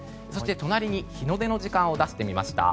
隣に日の出の時間を出してみました。